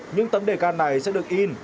những tấm đề can này sẽ được in